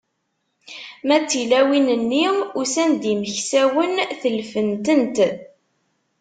Ma d tilawin-nni, usan-d imeksawen, telfent-tent.